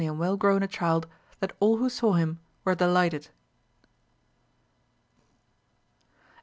187 and well grown a child that all who saw him were delighted.